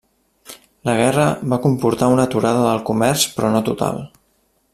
La guerra va comportar una aturada del comerç però no total.